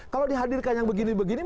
kalau dihadirkan yang begini begini